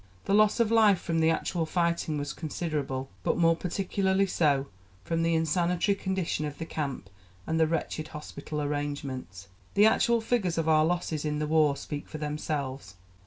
The loss of life from the actual fighting was considerable, but more particularly so from the insanitary condition of the camp and the wretched hospital arrangements. The actual figures of our losses in the war speak for themselves.